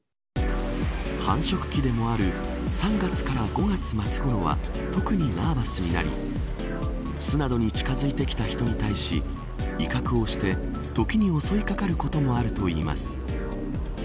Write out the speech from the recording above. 繁殖期でもある３月から５月末ごろは特にナーバスになり巣などに近づいてきた人たちに対し威嚇をして、時に襲いかかることもあるといいます。